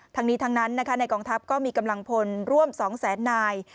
ทั้งนี้ทั้งนั้นในกองทัพก็มีกำลังพลร่วม๒แสนนาย